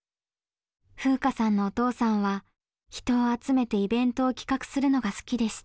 風夏さんのお父さんは人を集めてイベントを企画するのが好きでした。